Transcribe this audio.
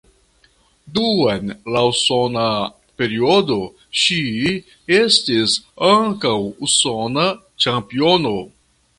Dum la usona periodo ŝi estis ankaŭ usona ĉampiono.